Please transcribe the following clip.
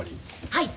はい？